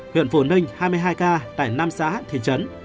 huyện phổ ninh hai mươi hai ca tại năm xã thị trấn